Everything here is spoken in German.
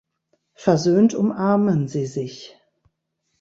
Versöhnt umarmen sie sich.